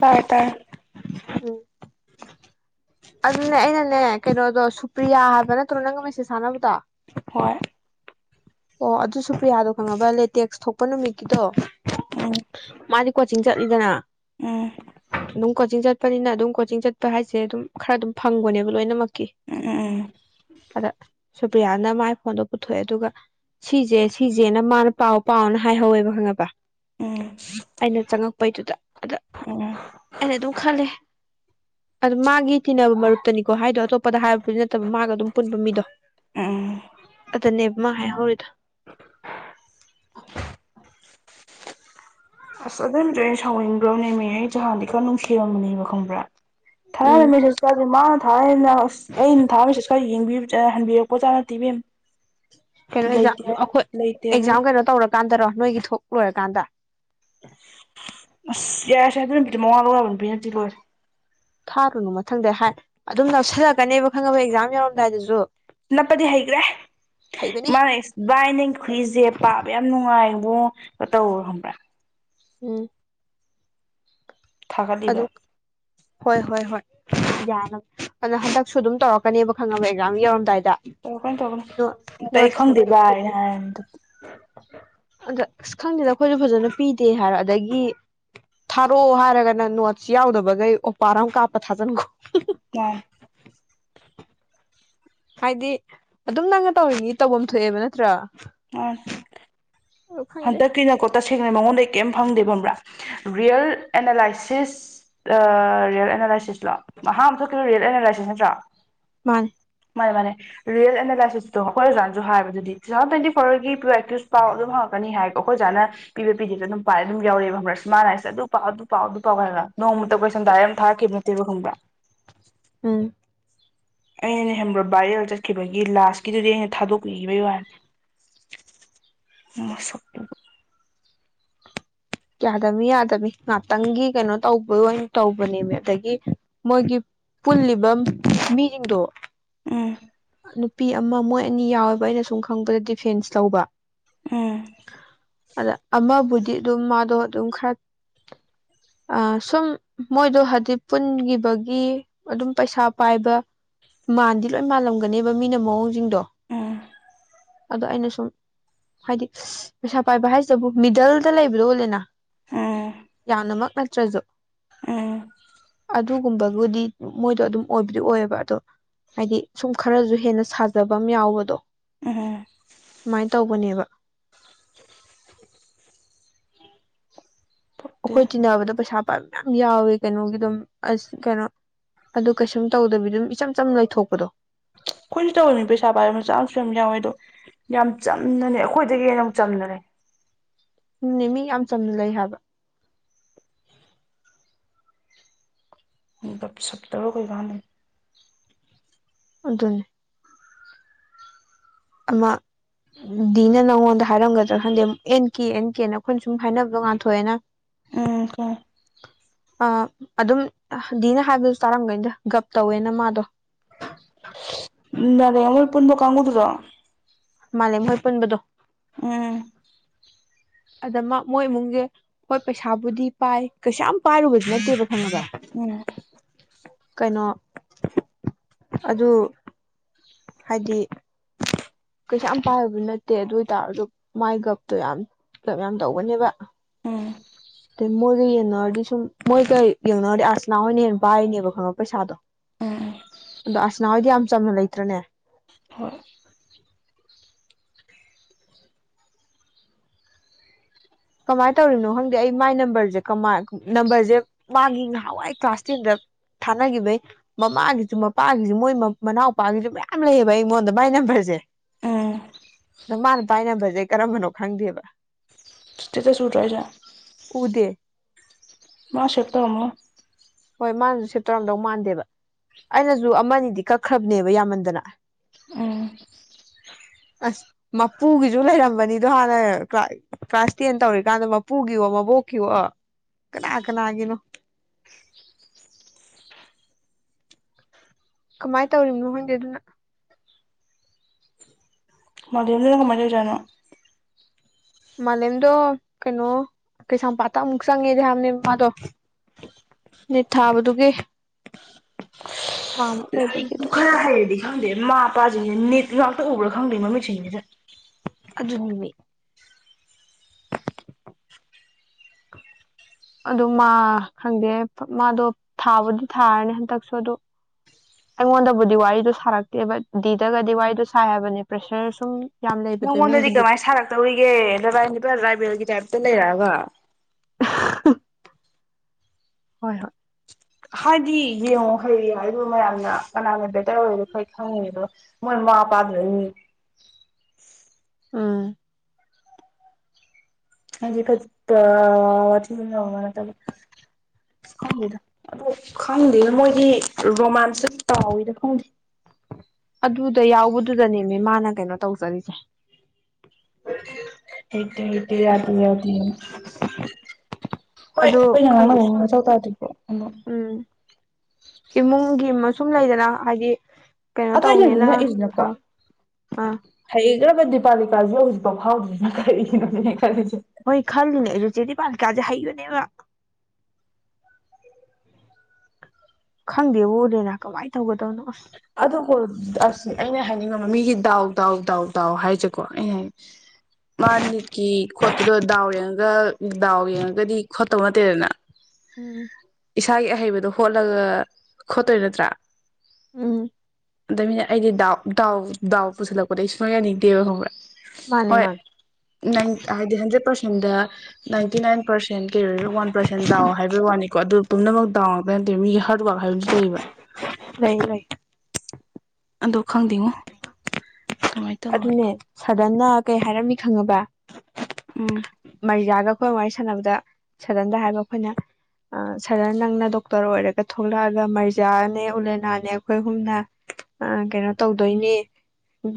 ꯇꯥꯔꯦ ꯇꯥꯔꯦ ꯎꯝ ꯑꯗꯨꯅꯦ ꯑꯩꯅꯅꯦ ꯀꯩꯅꯣꯗꯣ ꯁꯨꯄ꯭ꯔꯤꯌꯥ ꯍꯥꯏꯕ ꯅꯠꯇ꯭ꯔꯣ ꯅꯪꯒ ꯃꯦꯁꯦꯖ ꯊꯥꯅꯕꯗꯣ ꯍꯣꯏ ꯑꯣ ꯑꯗꯨ ꯁꯨꯄ꯭ꯔꯤꯌꯥꯗꯣ ꯈꯪꯉꯕ ꯂꯦꯇꯦꯛꯁ ꯊꯣꯛꯄ ꯅꯨꯃꯤꯠꯀꯤꯗꯣ ꯎꯝ ꯃꯥꯗꯤ ꯀꯣꯆꯤꯡ ꯆꯠꯂꯤꯗꯅ ꯎꯝ ꯑꯗꯨꯝ ꯀꯣꯆꯤꯡ ꯆꯠꯄꯅꯤꯅ ꯑꯗꯨꯝ ꯀꯣꯆꯤꯡ ꯆꯠꯄ ꯍꯥꯏꯁꯦ ꯑꯗꯨꯝ ꯈꯔ ꯑꯗꯨꯝ ꯐꯪꯕꯅꯦꯕ ꯂꯣꯏꯅꯃꯛ ꯎꯝ ꯎꯝ ꯑꯗ ꯁꯨꯄ꯭ꯔꯤꯌꯥꯅ ꯃꯥꯏ ꯐꯣꯟꯗꯣ ꯄꯨꯊꯣꯛꯑꯦ ꯑꯗꯨꯒ ꯁꯤꯁꯦ ꯁꯤꯁꯦꯅ ꯃꯥꯅ ꯄꯥꯎ ꯄꯥꯎꯅ ꯍꯥꯏꯍꯧꯋꯦꯕ ꯈꯪꯉꯕ ꯎꯝ ꯎꯝ ꯑꯩꯅ ꯆꯪꯉꯛꯄꯩꯗꯨꯗ ꯑꯗ ꯑꯩꯅ ꯑꯗꯨꯝ ꯈꯜꯂꯦ ꯑꯗꯨ ꯃꯥꯒꯤ ꯇꯤꯟꯅꯕ ꯃꯔꯨꯞꯇꯅꯤꯀꯣ ꯍꯥꯏꯗꯣ ꯑꯇꯣꯞꯄꯗ ꯍꯥꯏꯕꯕꯨ ꯅꯠꯇꯕ ꯃꯥꯒ ꯑꯗꯨꯝ ꯄꯨꯟꯕ ꯃꯤꯗꯣ ꯎꯝ ꯗꯅꯦꯕꯥ ꯃꯥ ꯍꯥꯏꯍꯧꯔꯤꯗꯣ ꯑꯁ ꯑꯗꯨꯏꯝꯁꯨ ꯑꯩꯅ ꯁꯥꯎꯅꯤꯡꯕ꯭ꯔꯣꯅꯦꯃꯤ ꯑꯩ ꯖꯍꯥꯟꯗꯤ ꯈꯔ ꯅꯨꯡꯁꯤ ꯑꯃꯅꯦꯕ ꯈꯪꯕ꯭ꯔꯥ ꯎꯝ ꯊꯅꯔꯤ ꯃꯦꯁꯦꯁꯀꯗꯨ ꯃꯥ ꯊꯥꯏꯅ ꯑꯁ ꯑꯩꯅ ꯊꯥ ꯃꯦꯁꯦꯁ ꯀꯗꯤ ꯌꯦꯡꯕꯤ ꯍꯟꯕꯤꯔꯛꯄꯖꯥꯠ ꯅꯠꯇꯦ ꯏꯕꯦꯝꯃ ꯀꯩꯅꯣ ꯑꯦꯛꯖꯥꯝ ꯑꯈꯣꯏ ꯑꯦꯛꯖꯥꯝ ꯀꯩꯅꯣ ꯇꯧꯔꯀꯥꯟꯗꯔꯣ ꯅꯣꯏꯒꯤ ꯊꯣꯛ ꯑꯣꯏꯔ ꯀꯥꯟꯗ ꯑꯁ ꯌꯥꯔꯦꯁꯦ ꯑꯗꯨ ꯅꯨꯄꯤꯗꯨ ꯃꯋꯥ ꯂꯧ ꯌꯥꯕꯥ ꯅꯨꯄꯤ ꯅꯠꯇꯦ ꯂꯣꯏꯔꯦ ꯫ ꯊꯥꯔꯨꯅꯨ ꯃꯊꯪꯗ ꯍꯥꯏ ꯑꯗꯨꯝ ꯅꯛꯁꯤꯜꯂꯛꯀꯅꯦꯕ ꯈꯪꯉꯕ ꯑꯦꯛꯖꯥꯝ ꯌꯥꯧꯔꯝꯗꯥꯏꯗꯁꯨ ꯅꯞꯄꯗꯤ ꯍꯩꯈ꯭ꯔꯦ ꯍꯩꯕꯅꯤ ꯏꯃꯥꯅꯁ ꯚꯏ ꯅꯪꯈꯏꯁꯦ ꯄꯥꯕ ꯌꯥꯝ ꯅꯨꯡꯉꯥꯏ ꯃ ꯀ ꯇ ꯎꯝ ꯊꯀꯗꯤꯕ ꯍꯣꯏ ꯍꯣꯏ ꯍꯣꯏ ꯌꯥꯅꯕ ꯑꯗꯨꯗꯣ ꯍꯟꯗꯛꯁꯨ ꯑꯗꯨꯝ ꯇꯧꯔꯛꯀꯅꯦꯕ ꯈꯪꯉꯕ ꯑꯦꯛꯖꯥꯝ ꯌꯧꯔꯝꯗꯥꯏꯗ ꯀꯩꯅꯣ ꯇꯧꯒꯅꯣ ꯑꯇ ꯑꯩ ꯅꯣꯠꯁ ꯈꯪꯗꯦ ꯀꯩꯀꯩ ꯚ ꯍꯥꯏꯅ ꯍꯥꯏꯅꯗ [unintelligible] ꯑꯁ ꯈꯪꯗꯦꯗ ꯑꯩꯈꯣꯏꯁꯨ ꯐꯖꯅ ꯄꯤꯗꯦ ꯍꯥꯏꯔꯣ ꯑꯗꯒꯤ ꯊꯥꯔꯛꯑꯣ ꯍꯥꯏꯔꯒꯅ ꯅꯣꯠꯁ ꯌꯥꯎꯗꯕꯈꯩ ꯑꯣꯄꯥꯔ ꯑꯃ ꯀꯥꯞꯄ ꯊꯥꯖꯤꯟꯈꯣ ꯀꯔ [unintelligible] ꯍꯥꯏꯗꯤ ꯑꯗꯨꯝ ꯅꯪꯅ ꯇꯧꯔꯤꯉ ꯇꯧꯐꯝ ꯊꯣꯛꯑꯦꯕ ꯅꯠꯇ꯭ꯔꯥ ꯑ ꯑꯗꯨ ꯈꯪꯗꯦ ꯍꯟꯗ ꯀꯅ ꯀꯣꯠꯇ ꯁꯦꯡꯅ ꯃꯉꯣꯟꯗꯩ ꯀꯩꯝ ꯐꯪꯗꯦꯕꯕ꯭ꯔꯥ ꯔꯤꯌꯦꯜ ꯑꯦꯅꯥꯂꯥꯏꯁꯤꯁ ꯔꯤꯌꯦꯜ ꯑꯦꯅꯥꯂꯥꯏꯁꯤꯁ ꯃꯍꯥꯛ ꯑꯝ ꯑꯗꯨ ꯍꯖꯥ ꯃꯥꯅꯦ ꯃꯥꯅꯦ ꯃꯥꯅꯦꯔꯤꯌꯦ ꯑꯦꯅꯥꯂꯥꯏꯁꯤꯁꯇꯣ ꯍꯣꯏ ꯑꯣꯖꯥꯅꯁꯨ ꯍꯥꯏꯕꯗꯨꯗꯤ ꯇꯨ ꯊꯥꯎꯖꯟ ꯇ꯭ꯋꯦꯟꯇꯤ ꯐꯣꯔꯒꯤ ꯄꯛꯇꯤꯞ ꯄꯥꯎ ꯑꯗꯨꯝ ꯅꯤ ꯍꯥꯏꯀꯣ ꯑꯩꯈ ꯑꯣꯖꯥꯅ ꯄꯤꯕ ꯄꯤꯗꯕꯗ ꯑꯗꯨꯝ ꯄꯥꯏꯔ ꯑꯗꯨꯝ ꯌꯥꯎꯔꯑꯦꯕ ꯈꯪꯕ꯭ꯔ ꯁꯃꯅ ꯍꯥꯏꯏꯁꯦ ꯑꯗꯨ ꯄꯥꯎ ꯑꯗꯨ ꯄꯥꯎ ꯑꯗꯨ ꯄꯥꯎꯕ꯭ꯔ ꯅꯣꯡꯃꯛꯇ ꯀꯈꯣꯏ ꯁꯝꯗꯥꯏ ꯑꯃ ꯊꯥꯛꯈꯤꯕ ꯅꯠꯇꯦꯕ ꯈꯪꯕ꯭ꯔꯥ ꯎꯝ ꯑꯩꯅ ꯍꯦꯝꯕ꯭ꯔꯣ ꯕꯥꯏꯔꯦꯜ ꯆꯠꯈꯤꯕꯒꯤ ꯂꯥꯁꯀꯤꯗꯨꯗꯤ ꯑꯩꯅ ꯊꯥꯗꯣꯛꯄꯤꯈꯤꯕꯒꯤ ꯋꯥꯅꯤꯁ ꯌꯥꯗꯃꯤ ꯌꯥꯗꯃꯤ ꯉꯍꯥꯛꯇꯪꯒꯤ ꯀꯩꯅꯣ ꯇꯧꯕ ꯑꯣꯏꯅ ꯇꯧꯕꯅꯦꯕ ꯑꯗꯒꯤ ꯃꯣꯏꯒꯤ ꯄꯨꯜꯂꯤꯕ ꯃꯤꯁꯤꯡꯗꯣ ꯎꯝ ꯅꯨꯄꯤ ꯑꯃ ꯃꯣꯏ ꯑꯅꯤ ꯌꯥꯎꯋꯦꯕ ꯑꯩꯅ ꯁꯨꯝ ꯈꯪꯕꯗ ꯗꯤꯐꯦꯟꯁ ꯇꯧꯕ ꯎꯝ ꯑꯗ ꯑꯃꯕꯨ ꯑꯗꯨꯝ ꯃꯥ ꯑꯗꯣ ꯑꯗꯨꯝ ꯈꯔ ꯁꯨꯝ ꯃꯣꯏꯗꯣ ꯍꯥꯏꯗꯤ ꯄꯨꯟꯈꯤꯕꯒꯤ ꯑꯗꯨꯝ ꯄꯩꯁꯥ ꯄꯥꯏꯕ ꯃꯥꯟꯗꯤ ꯂꯣꯏ ꯃꯥꯜꯂꯝꯒꯅꯦꯕ ꯃꯤꯅ ꯃꯑꯣꯡꯁꯤꯡꯗꯣ ꯎꯝ ꯑꯗꯣ ꯑꯩꯅ ꯁꯨꯝ ꯍꯥꯏꯗꯤ ꯄꯩꯁꯥ ꯄꯥꯏꯕ ꯍꯥꯏꯁꯤꯕꯨ ꯃꯤꯗꯜꯗ ꯂꯩꯕꯗꯣ ꯑꯣꯜꯂꯦꯅ ꯌꯥꯅꯃꯛ ꯄꯠꯇ꯭ꯔꯁꯨꯣ ꯑ ꯑꯗꯨꯒꯨꯝꯕꯕꯨꯗꯤ ꯃꯣꯏꯗꯣ ꯑꯗꯨꯝ ꯑꯣꯏꯕꯗꯤ ꯑꯣꯏꯌꯦꯕ ꯑꯗꯣ ꯍꯥꯏꯗꯤ ꯁꯨꯝ ꯈꯔꯁꯨ ꯍꯦꯟꯅ ꯁꯥꯖꯕ ꯑꯃ ꯌꯥꯎꯕꯗꯣ ꯎꯝ ꯁꯃꯥꯏꯅ ꯇꯧꯕꯅꯦꯕ ꯎ ꯄꯛꯇꯦ ꯑꯩꯈꯣꯏ ꯆꯤꯟꯅꯕꯗ ꯄꯩꯁꯥ ꯃ ꯌꯥꯝ ꯌꯥꯎꯋꯦ ꯀꯩꯅꯣꯒꯤ ꯑꯗꯨꯝ ꯑꯁ ꯀꯩꯅꯣ ꯑꯗꯨ ꯀꯩꯁꯨꯝ ꯇꯧꯗꯕꯤ ꯑꯗꯨꯝ ꯏꯆꯝ ꯆꯝ ꯂꯩꯊꯣꯛꯄꯗꯣ ꯑꯩꯈꯣꯏꯁꯨ ꯇꯧꯧꯕꯅꯤ ꯄꯩꯁꯥ ꯄꯥꯏꯔꯕ ꯃꯆꯥꯁꯨ ꯌꯥꯝ ꯌꯥꯎꯋꯦ ꯑꯗꯣ ꯌꯥꯝ ꯆꯝꯅꯅꯦ ꯑꯩꯈꯣꯏꯗꯒꯤ ꯍꯦꯟꯅ ꯌꯥꯝ ꯆꯝꯅꯅꯦ ꯎꯝꯅꯦ ꯃꯤ ꯌꯥꯝ ꯆꯝꯅ ꯂꯩ ꯍꯥꯏꯕ ꯁꯇꯔ ꯀ ꯀꯥꯅꯤ ꯑꯗꯨꯅꯦ ꯑꯃ ꯗꯤꯅ ꯅꯪꯉꯣꯟꯗ ꯍꯥꯏꯔꯝꯒꯗ꯭ꯔꯥ ꯈꯟꯗꯦ ꯑꯦꯟ ꯀꯦ ꯑꯦꯟ ꯀꯦꯅ ꯑꯩꯈꯣꯏꯅ ꯁꯨꯝ ꯍꯥꯏꯅꯕꯗꯣ ꯉꯥꯟꯊꯣꯛꯑꯦꯅ ꯎꯝ ꯑ ꯑꯗꯨꯝꯗꯤꯅ ꯍꯥꯏꯕꯗꯨ ꯆꯥꯔꯝꯒꯩꯗ ꯒꯞ ꯇꯧꯋꯦꯅ ꯃꯥꯗꯣ ꯨꯟ ꯂ ꯀꯥꯡꯒ ꯎꯗ꯭ꯔꯣ ꯃꯥꯂꯦꯝ ꯃꯣꯏ ꯄꯨꯟꯕꯗꯣ ꯎꯝ ꯑꯗꯃ ꯃꯣꯏ ꯏꯃꯨꯡꯒꯤ ꯍꯣꯏ ꯄꯩꯁꯥꯕꯨꯗꯤ ꯄꯥꯏ ꯀꯩꯁꯥ ꯌꯥꯝ ꯄꯥꯏꯔꯨꯕꯗꯤ ꯅꯠꯇꯦꯕ ꯈꯪꯉꯒ ꯎꯝ ꯀꯩꯅꯣ ꯑꯗꯨ ꯍꯥꯏꯗꯤ ꯀꯩꯁꯥ ꯌꯥꯝ ꯄꯥꯏꯕ ꯅꯠꯇꯦ ꯑꯗꯨ ꯑꯣꯏꯇꯥꯔꯁꯨ ꯃꯥꯏ ꯒꯞꯇꯣ ꯌꯥꯝ ꯀꯞ ꯌꯥꯝ ꯇꯧꯒꯅꯦꯕ ꯑꯣꯥ ꯑꯗꯩ ꯃꯣꯏꯒ ꯌꯦꯡꯅꯔꯗꯤ ꯁꯨꯝ ꯃꯣꯏꯒ ꯌꯦꯡꯅꯔꯗꯤ ꯑꯁꯅꯥ ꯍꯣꯏꯅ ꯌꯦꯟ ꯄꯥꯏ ꯍꯥꯏꯔꯤꯅꯦꯕ ꯈꯪꯉꯣ ꯄꯩꯁꯥꯗꯣ ꯎꯝ ꯗ ꯑꯁꯅꯗꯤ ꯌꯥꯝ ꯆꯝꯅ ꯂꯩꯇ꯭ꯔꯅꯦ ꯍꯣꯏ ꯀꯃꯥꯏꯅ ꯇꯧꯔꯤꯅꯣ ꯈꯪꯗꯦ ꯑꯩ ꯃꯥꯏ ꯅꯝꯕꯔꯁꯦ ꯀꯃꯥꯏ ꯅꯝꯕꯔꯁꯦ ꯃꯥꯒꯤ ꯉꯍꯥꯟꯋꯥꯏ ꯀ꯭ꯂꯥꯁ ꯇꯦꯟꯗ ꯊꯥꯅꯈꯤꯕꯒꯤ ꯃꯃꯥꯒꯤꯁꯨ ꯃꯄꯥꯒꯤꯁꯨ ꯃꯣꯏ ꯃꯅꯥꯎꯄꯥꯒꯤꯁꯨ ꯃꯌꯥꯝ ꯂꯩꯌꯦꯕ ꯑꯩꯉꯣꯟꯗ ꯃꯥꯏ ꯅꯝꯕꯔꯁꯦ ꯎꯝ ꯑꯗ ꯃꯥꯅ ꯃꯥꯏ ꯅꯝꯕꯔꯁꯦ ꯑꯩ ꯀꯔꯝꯕꯅꯣ ꯈꯪꯗꯦꯕ ꯇꯗ ꯁꯨꯠ ꯔꯁ ꯎꯗꯦ ꯃꯥ ꯁꯛꯇꯃꯣ ꯍꯣꯏ ꯃꯥꯅꯁꯨ ꯁꯦꯠꯇ꯭ꯔꯝꯗꯧ ꯃꯥꯟꯗꯦꯕ ꯑꯩꯅꯁꯨ ꯑꯃꯅꯤꯗꯤ ꯀꯛꯈ꯭ꯔꯕꯅꯦꯕ ꯌꯥꯝꯃꯟꯗꯅ ꯎꯝ ꯑꯁ ꯃꯄꯨꯒꯤꯁꯨ ꯂꯩꯔꯝꯕꯅꯤꯗꯣ ꯍꯥꯟꯅ ꯀ꯭ꯂꯥꯁ ꯇꯦꯟ ꯇꯧꯔꯤꯀꯥꯟꯗ ꯃꯄꯨꯒꯤꯕꯣ ꯃꯕꯣꯛꯀꯤꯋꯣ ꯀꯅꯥ ꯀꯅꯥꯒꯤꯅꯣ ꯀꯃꯥꯏꯅ ꯇꯧꯔꯤꯅꯣ ꯍꯣꯏꯒꯤ ꯑꯗꯨꯅ ꯃꯗꯤ ꯃ ꯆꯅꯣ ꯃꯥꯂꯦꯝꯗꯣ ꯀꯩꯅꯣ ꯀꯩꯁꯥꯝꯄꯥꯠꯇ ꯑꯃꯨꯛ ꯆꯪꯉꯦꯗꯤ ꯍꯥꯏꯕꯅꯦ ꯃꯥꯗꯣ ꯅꯠ ꯊꯥꯕꯗꯨꯒꯤ ꯊꯥ ꯑꯃꯨꯛ ꯑꯣꯏꯕꯒꯤ ꯂꯥꯏꯔꯤꯛꯄꯨ ꯈꯔ ꯍꯩꯔꯗꯤ ꯈꯪꯗꯦ ꯃꯃ ꯃꯄꯥꯁꯤꯡꯁꯤ ꯅꯤꯠ ꯉꯥꯛꯇ ꯎꯕ꯭ꯔꯥ ꯈꯪꯗꯦ ꯃꯃꯤꯠꯁꯤꯡꯁꯤꯗ ꯑꯗꯨꯨꯝꯃꯤ ꯑꯗꯨ ꯃꯥ ꯈꯪꯗꯦ ꯃꯥꯗꯣ ꯊꯥꯕꯨꯗꯤ ꯊꯥꯔꯅꯤ ꯍꯟꯗꯛꯁꯨ ꯑꯗꯨꯗ ꯑꯩꯉꯣꯟꯗꯕꯨꯗꯤ ꯋꯥꯔꯤꯗꯣ ꯁꯥꯔꯛꯇꯦꯕ ꯗꯤꯗꯒꯗꯤ ꯋꯥꯔꯤꯗꯣ ꯁꯥꯏ ꯍꯥꯏꯕꯅꯦ ꯄ꯭ꯔꯦꯁꯔ ꯁꯨꯝ ꯌꯥꯝ ꯂꯩꯕꯗꯣ ꯅꯪꯉꯣꯟꯗꯗꯤ ꯏꯃꯨꯡꯗꯨꯒꯤ ꯀꯃꯥꯏꯅ ꯁꯥꯔꯛꯇꯧꯔꯤꯒꯦ ꯕꯥꯏꯅꯤ ꯔ꯭ꯔꯥꯏꯕꯦꯜꯒꯤ ꯇꯥꯏꯞ ꯆ ꯂꯩ ꯌꯥꯕ ꯍꯣꯏ ꯍꯣꯏ ꯍꯥꯏꯗꯤ ꯌꯦꯡꯉꯣ ꯍꯩꯔ ꯍꯥꯏꯗ ꯃꯌꯥꯝꯅ ꯀꯅꯥꯅ ꯕꯦꯇꯔ ꯑꯣꯏꯗꯣꯈꯩ ꯈꯪꯉꯉꯦ ꯑꯗꯣ ꯃꯣꯏ ꯃꯃꯥ ꯃꯄꯥꯗꯨꯅꯅꯤ ꯑꯥ ꯈꯖꯤ ꯐꯖꯤ ꯋꯥꯊꯕ ꯅꯠꯇꯕ ꯈꯪꯗꯦꯗ ꯑꯗꯣ ꯈꯪꯗꯦꯗ ꯃꯣꯏꯒꯤ ꯔꯣꯃꯥꯟꯁꯇ ꯆꯥꯎꯋꯤꯗ ꯈꯪꯗꯦ ꯑꯗꯨꯗ ꯌꯥꯎꯕꯗꯨꯗꯅꯦꯃꯤ ꯃꯥꯅ ꯀꯩꯅꯣ ꯇꯧꯖꯔꯤꯁꯦ ꯤ ꯌꯥ ꯌꯥꯣꯏ ꯑꯗꯨ ꯏ ꯈꯪꯗꯦ ꯌꯥꯅ ꯁꯨꯝ ꯆꯇ ꯎ ꯎꯝ ꯏꯃꯨꯡꯒꯤ ꯃꯁꯨꯝ ꯂꯩꯗꯅ ꯍꯥꯏꯗꯤ ꯀꯩꯅꯣ ꯑꯋꯥꯏꯗ ꯇꯧꯅꯦꯅ ꯅꯛꯏꯁꯤꯅꯀꯣ ꯊꯥꯎ ꯑꯥ ꯍꯌꯦꯡ ꯁꯔꯕꯟꯗꯤꯤ ꯄꯥꯂꯤꯀꯥꯁꯤ ꯍꯧꯖꯤꯛꯥꯎ ꯐꯥꯎꯗ꯭ꯔꯤꯅ ꯀꯔꯤꯒꯤꯅꯣꯅꯦ ꯈꯜꯂꯤꯁꯦ ꯍꯣꯏ ꯈꯜꯂꯤꯅꯦ ꯑꯩꯁꯨꯦ ꯆꯦꯗꯤ ꯄꯜ ꯀꯥꯁꯦ ꯍ ꯌꯅꯦꯕ ꯈꯪꯗꯦꯕꯨꯗꯦꯅ ꯀꯃꯥꯏꯅ ꯇꯧꯒꯗꯕꯅꯣ ꯑ ꯑꯗꯨꯣ ꯑꯁ ꯑꯩꯅ ꯍꯥꯏꯅꯤꯡꯉꯕ ꯃꯤꯒꯤ ꯗꯥꯎ ꯗꯥꯎ ꯗꯥꯎ ꯗꯥꯎ ꯍꯥꯏꯁꯦꯀꯣ ꯑꯩꯅ ꯃꯥ ꯅꯤꯠꯀꯤ ꯈꯣꯠꯄꯗꯣ ꯗꯥꯎ ꯌꯦꯡꯉꯒ ꯗꯥꯎ ꯌꯦꯡꯉꯒꯗꯤ ꯈꯣꯠꯇꯕ ꯅꯠꯇꯦꯗꯅ ꯎꯝ ꯏꯁꯥꯒꯤ ꯑꯍꯩꯕꯗ ꯑꯗꯣ ꯍꯣꯠꯂꯒ ꯈꯣꯠꯇꯣꯏ ꯅꯠꯇ꯭ꯔꯥ ꯎꯝ ꯕꯅ ꯑꯩꯗꯤ ꯗꯥꯎ ꯗꯥꯎ ꯗꯥꯎ ꯄꯨꯁꯜꯂꯛꯄꯗ ꯑꯩ ꯁꯨꯡꯃꯌꯥ ꯌꯥꯅꯤꯡꯗꯦꯕ ꯈꯪꯕ꯭ꯔꯥ ꯃꯥꯅꯦ ꯍꯣꯏ ꯃꯥꯅꯦ ꯅꯪ ꯍꯥꯏꯗꯤ ꯍꯗꯦ ꯄꯁ ꯍꯗ ꯅꯥꯏꯟꯇꯤ ꯅꯥꯏꯟ ꯄꯥꯔꯁꯦꯟ ꯀꯩ ꯋꯥꯟ ꯄꯥꯔꯁꯦꯟ ꯗꯥꯎ ꯍꯥꯏꯕꯒꯤ ꯋꯥꯅꯤꯀꯣ ꯑꯗꯨ ꯇꯝꯅ ꯃꯗꯥꯗꯦꯟꯗꯤ ꯃꯤ ꯍꯔ ꯍꯥꯏꯕꯁꯨ ꯇꯩꯕ ꯂꯩ ꯂꯩ ꯑꯗ ꯈꯪꯗꯦꯉꯣ ꯀꯃꯥꯏ ꯇꯧꯕꯅ ꯅ ꯀꯩ ꯍꯥꯏꯔꯝꯃꯤ ꯈꯪꯉꯕ꯭ꯔꯥ ꯎꯝ ꯃꯩꯖꯥꯒ ꯑꯩꯈꯣꯏ ꯋꯥꯔꯤ ꯁꯥꯟꯅꯕꯗ ꯁꯗꯟꯗ ꯍꯥꯏꯕ ꯑꯩꯈꯣꯏꯅ ꯁꯗꯟ ꯅꯪꯅ ꯗꯣꯛꯇꯔ ꯑꯣꯏꯔꯒ ꯊꯣꯛꯂꯛꯑꯒ ꯃꯖꯌꯥꯅꯦ ꯎꯂꯦꯅꯥꯅꯦ ꯑꯩꯈꯣꯏ ꯍꯨꯝꯅ ꯀꯩꯅꯣ ꯇꯧꯗꯣꯏꯅꯤ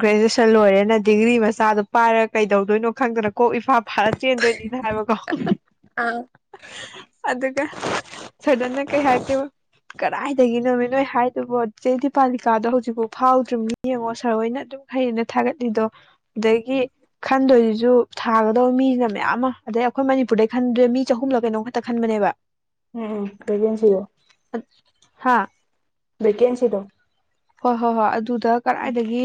ꯒ꯭ꯔꯦꯖꯨꯁ ꯆꯜ ꯂꯣꯏꯔꯦꯅ ꯗꯤꯒ꯭ꯔꯤ ꯃꯆꯥꯗꯨꯣ ꯄꯥꯏꯔꯒ ꯀꯩꯗꯧꯗꯣꯏꯅꯣ ꯈꯪꯗꯅ ꯀꯣꯛ ꯏꯐꯥ ꯚꯥꯔꯠ ꯆꯦꯟꯗꯣꯏꯅꯤꯅ ꯍꯥꯏꯕꯀꯣ ꯑ ꯑꯗꯨꯒ ꯁꯗꯟꯅ ꯀꯩ ꯍꯥꯏꯔꯀꯦꯕ ꯀꯗꯥꯏꯗꯒꯤꯅꯣꯃꯤ ꯅꯣꯏ ꯍꯥꯏꯗꯨꯕ ꯆꯦꯗꯤꯤ ꯄꯥꯂꯤꯀꯥꯗꯣ ꯍꯧꯖꯤꯛꯐꯥꯎ ꯐꯥꯎꯗ꯭ꯔꯤꯕ ꯌꯦꯡꯉꯣ ꯁꯥꯔ ꯍꯣꯏꯅ ꯑꯗꯨꯝ ꯍꯌꯦꯟꯅ ꯊꯥꯒꯠꯂꯤꯗꯣ ꯑꯗꯒꯤ ꯈꯟꯗꯣꯏꯁꯤꯁꯨ ꯊꯥꯒꯗꯧ ꯃꯤꯁꯤꯅ ꯃꯌꯥꯝ ꯑꯃ ꯑꯗꯩ ꯑꯩꯈꯣꯏ ꯃꯅꯤꯄꯨꯔꯗꯩ ꯈꯟꯗꯣꯏ ꯃꯤ ꯆꯍꯨꯝꯂꯛ ꯀꯩꯅꯣꯝꯈꯛꯇ ꯈꯟꯕꯅꯦꯕ ꯎꯝ ꯀꯩꯝ ꯁꯤꯣ ꯍꯥꯥ ꯀꯦꯟꯁꯤꯗ ꯍꯣꯏ ꯍꯣꯏ ꯍꯣꯏ ꯑꯗꯨ ꯗ ꯀꯗꯥꯏꯗꯒꯤ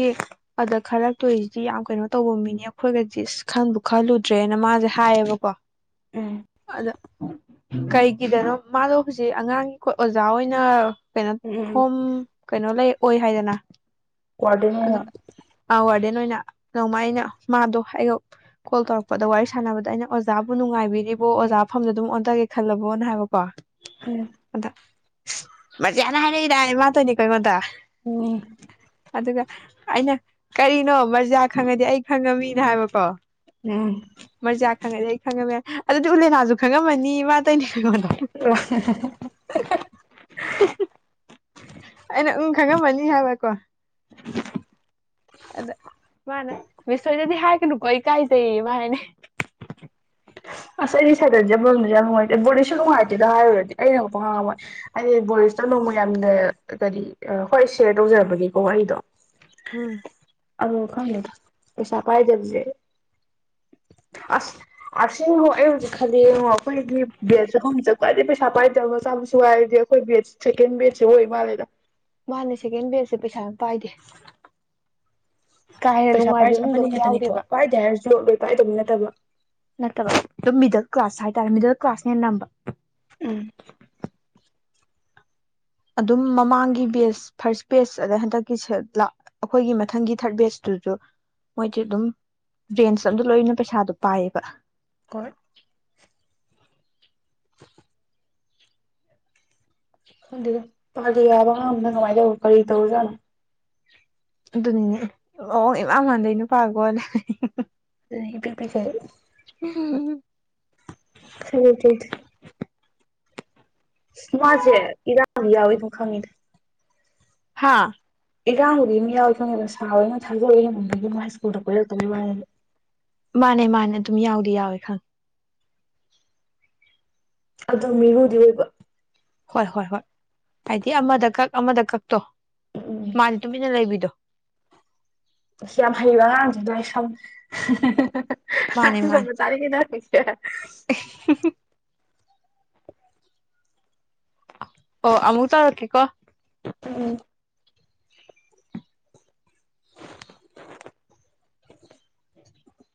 ꯑꯗ ꯈꯜꯂꯛꯇꯣꯏꯁꯤꯗꯤ ꯌꯥꯝ ꯀꯩꯅꯣ ꯇꯧꯕ ꯃꯤꯅꯦ ꯑꯩꯈꯣꯏꯒꯗꯤ ꯏꯁ ꯈꯟꯕꯨ ꯈꯜꯂꯨꯗ꯭ꯔꯦꯅ ꯃꯥꯁꯦ ꯍꯥꯏꯌꯦꯕꯀꯣ ꯎꯝ ꯑꯗ ꯀꯩꯒꯤꯗꯅꯣ ꯃꯥꯗꯣ ꯍꯧꯖꯤꯛ ꯑꯉꯥꯡꯒꯤ ꯑꯣꯖꯥ ꯑꯣꯏꯅ ꯄꯦꯟꯠ ꯎꯝ ꯎꯝ ꯍꯣꯝ ꯀꯩꯅꯣ ꯂꯩ ꯑꯣꯏ ꯍꯥꯏꯗꯅ ꯀ꯭ꯋꯥꯔꯇꯔ ꯑꯣꯏꯅ ꯑ ꯋꯥꯔꯗꯦꯟ ꯑꯣꯏꯅ ꯅꯣꯡꯃ ꯑꯩꯅ ꯃꯥꯗꯣ ꯑꯩꯒ ꯀꯣꯜ ꯇꯧꯔꯛꯄꯗꯣ ꯋꯥꯔꯤ ꯁꯥꯟꯅꯕꯗ ꯑꯩꯅ ꯑꯣꯖꯥꯕꯨ ꯅꯨꯡꯉꯥꯏꯕꯤꯔꯤꯕꯣ ꯑꯣꯖꯥ ꯃꯐꯝꯗ ꯑꯗꯨꯝ ꯑꯣꯟꯊꯒꯦ ꯈꯜꯂꯕꯣꯅ ꯍꯥꯏꯕꯀꯣ ꯎꯝ ꯃꯦꯅ ꯍꯥꯏꯔꯛꯏꯗꯥꯅꯦ ꯃꯥꯗꯣꯏꯅꯦ ꯀꯉꯣꯟꯗ ꯍ ꯑꯗꯨꯒ ꯑꯩꯅ ꯀꯔꯤꯅꯣ ꯕꯖꯥꯔ ꯈꯪꯉꯗꯤ ꯑꯩ ꯈꯪꯉꯃꯤꯅ ꯍꯥꯏꯕꯀꯣ ꯎꯝ ꯃꯔꯖꯤ ꯑꯈꯥꯡꯒ ꯈꯪꯉꯝꯃꯦ ꯑꯗꯨꯗꯤ ꯎꯂꯦꯅꯥꯁꯨ ꯈꯪꯉꯝꯃꯅꯤ ꯃꯥ ꯇꯅꯦ ꯑꯩꯅ ꯈꯪꯉꯝꯃꯅꯤ ꯍꯥꯏꯕꯀꯣ ꯑꯗ ꯃꯥꯅꯦ ꯃꯤꯁꯣꯏꯅꯗꯤ ꯍꯥꯏꯒꯅꯨꯀꯣ ꯑꯩ ꯀꯥꯏꯖꯩꯌꯦ ꯃꯥ ꯍꯥꯏꯅꯦ ꯑꯁ ꯑꯩꯗꯤ ꯁꯥꯏꯗꯔꯁꯕꯝꯗꯗꯤꯦ ꯌꯥꯝ ꯅꯨꯡꯉꯥꯏꯇꯦ ꯕꯣꯔꯤꯁꯁꯨ ꯅꯨꯡꯉꯥꯏꯇꯦꯗꯣ ꯍꯥꯏꯔꯨꯔꯗꯤ ꯑꯩꯅꯉꯛꯄ ꯉꯥꯡꯉꯝꯃꯣꯏ ꯑꯩꯗꯤ ꯕꯣꯔꯤꯁꯇ ꯅꯣꯡꯃ ꯌꯥꯝꯅ ꯀꯔꯤ ꯍꯣꯏ ꯁꯦꯌꯔ ꯇꯧꯖꯔꯕꯅꯦꯀꯣ ꯋꯥꯔꯤꯗꯣ ꯎꯝ ꯑꯣ ꯈꯕꯛ ꯄꯩꯁꯥ ꯄꯥꯏꯗꯕꯁ ꯑꯁ ꯑꯁꯤꯉꯣ ꯑꯩ ꯍꯧꯖꯤꯛ ꯈꯜꯂꯤ ꯌꯦꯡꯉꯣ ꯑꯩꯈꯣꯏꯗꯤ ꯕꯦꯠꯁꯦꯐꯝꯁꯦ ꯈ꯭ꯋꯥꯏꯗꯒꯤ ꯄꯩꯁꯥ ꯄꯥꯏꯗꯕ ꯃꯆꯥ ꯃꯁꯨ ꯍꯥꯏꯔꯗꯤ ꯑꯩꯈꯣꯏ ꯕꯦꯠ ꯁꯦꯀꯦꯟ ꯕꯦꯠꯁꯦ ꯑꯣꯏ ꯃꯥꯜꯂꯦꯗ ꯃꯥꯅ ꯁꯦꯀꯦꯟ ꯕꯦꯜꯁꯦ ꯄꯩꯁꯥ ꯄꯥꯏꯗꯦ ꯀꯥ ꯍꯦꯟꯅ ꯄꯩꯁꯥ ꯅꯨꯡꯉꯥꯏꯕ ꯄꯥꯏꯔꯤꯁ ꯏꯃꯨꯡꯗꯣ ꯑꯃꯅꯤ ꯑꯝꯇ ꯈꯛꯇꯅꯤꯀꯣ ꯌꯥꯎꯗꯦꯕ ꯄꯥꯏꯗꯦ ꯍꯥꯏꯔꯁꯨ ꯥꯏꯗꯧꯕ ꯅꯠꯇꯕ ꯅꯠꯇꯕ ꯑꯗꯨꯝ ꯃꯤꯗꯜ ꯀ꯭ꯂꯥꯁ ꯍꯥꯏꯇꯥꯔꯦ ꯃꯤꯗꯜ ꯀ꯭ꯂꯥꯁꯅꯦ ꯅꯝꯕ ꯎꯝ ꯑꯗꯨꯝ ꯃꯃꯥꯡꯒꯤ ꯕꯦꯖ ꯐꯥꯔꯁ ꯕꯦꯖ ꯑꯗꯩ ꯍꯟꯗꯛꯀꯤ ꯑꯩꯈꯣꯏꯒꯤ ꯃꯊꯪꯒꯤ ꯊꯥꯔꯠ ꯕꯦꯖꯇꯨꯁꯨ ꯃꯣꯏꯗꯤ ꯑꯗꯨꯝ ꯔꯦꯟꯁ ꯑꯗ ꯂꯣꯏꯅ ꯄꯩꯁꯥꯗꯣ ꯄꯥꯏꯌꯦꯕ ꯀꯣꯏ ꯈꯪꯗ ꯐꯗꯤ ꯌꯥꯕ ꯉꯕꯅ ꯀꯃꯥꯏꯅ ꯇꯧ ꯀꯔꯤ ꯇꯧꯔꯖꯥꯠꯅꯣ ꯑꯗꯨꯅꯤꯅꯦ ꯑꯣ ꯏꯃꯥ ꯃꯥꯟꯗ ꯅꯨꯄꯥꯥꯒꯣꯂꯦ ꯑꯗꯨ ꯄ ꯄꯈ ꯎꯝ [unintelligible] ꯏꯁ ꯃꯥꯁꯦ ꯏꯔꯥꯡ ꯌꯥꯎꯋꯕ ꯈꯪꯉꯤꯗ ꯍꯥꯥ ꯏꯔꯥꯡꯕꯨꯗꯤ ꯑꯃꯝ ꯌꯥꯎꯈꯤꯕꯅꯦꯗ ꯁꯥꯔ ꯍꯣꯏ ꯑꯣꯏꯅ ꯊꯥꯖꯕ ꯌꯦꯡꯅꯤꯡꯕꯒꯤ ꯑꯃ ꯍꯥꯏ ꯁ꯭ꯀꯨꯜꯗ ꯀꯣꯏꯔꯛꯇꯕꯩ ꯋꯥꯅꯤꯗ ꯃꯥꯅꯦ ꯃꯥꯅꯦ ꯑꯗꯨꯝ ꯌꯥꯎꯗꯤ ꯌꯥꯎꯋꯦ ꯈꯪꯉꯦ ꯑꯣꯗꯨ ꯃꯤꯉꯨꯗꯤ ꯑꯣꯏꯕ ꯍꯣꯏ ꯍꯣꯏ ꯍꯣꯏ ꯍꯥꯏꯗꯤ ꯑꯃꯗ ꯀꯛ ꯑꯃꯗ ꯀꯛꯇꯣ ꯎꯝ ꯃꯥ ꯇꯨꯃꯤꯟꯅ ꯂꯩꯕꯤꯗꯣ ꯑꯁ ꯌꯥꯝ ꯍꯩꯌꯦꯕ ꯑꯉꯥꯡꯁꯨ ꯂꯩ ꯊ ꯃꯥꯅꯦ ꯃꯥꯅꯦ [unintelligible] [unintelligible] [unintelligible] [unintelligible] [unintelligible] [unintelligible] ꯑꯣ ꯑꯃꯨꯛ ꯇꯧꯔꯛꯀꯦꯀꯣ ꯎꯝ